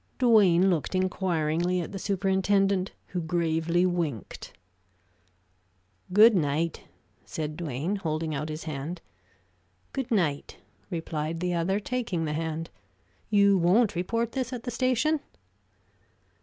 Duane looked inquiringly at the superintendent, who gravely winked. "Good night," said Duane, holding out his hand. "Good night," replied the other, taking the hand. "You won't report this at the station?"